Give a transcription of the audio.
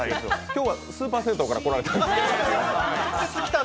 今日はスーパー銭湯から来られた？